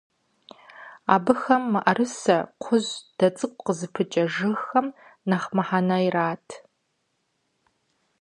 Абыхэм мыӀэрысэ, кхъужь, дэ цӀыкӀу къызыпыкӀэ жыгхэм нэхъ мыхьэнэ ират.